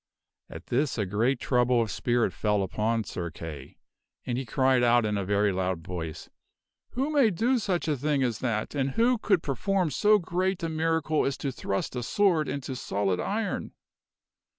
At this a great trouble of spirit fell upon Sir Kay, and he cried out in a very loud voice, " Who may do such a thing as that, and who could per form so great a miracle as to thrust a sword into solid iron."